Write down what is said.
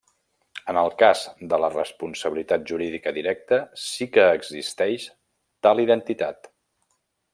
En el cas de la responsabilitat jurídica directa, sí que existeix tal identitat.